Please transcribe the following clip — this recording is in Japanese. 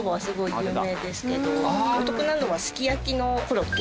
お得なのはすき焼のコロッケ。